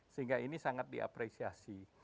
sehingga ini sangat diapresiasi